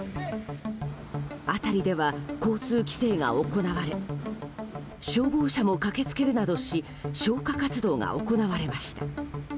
辺りでは交通規制が行われ消防車も駆けつけるなどし消火活動が行われました。